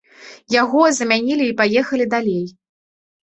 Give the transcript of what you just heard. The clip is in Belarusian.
Яго замянілі і паехалі далей.